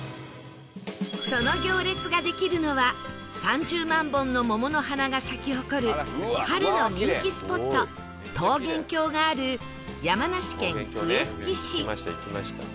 その行列ができるのは３０万本の桃の花が咲き誇る春の人気スポット桃源郷がある山梨県笛吹市